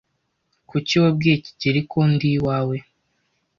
Kuki wabwiye kigeli ko ndi iwawe?